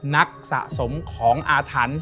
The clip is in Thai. นักสะสมของอาถรรพ์